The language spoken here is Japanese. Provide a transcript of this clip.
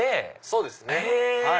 そうですね。